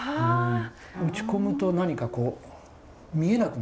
落ち込むと何かこう見えなくなるんですよね。